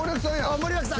森脇さん。